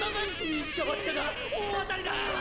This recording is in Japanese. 一か八かが大当たりだ！